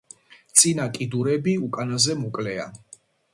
წინა კიდურები უკანაზე მოკლეა.